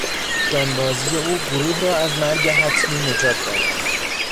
جانبازی او گروه را از مرگ حتمی نجات داد.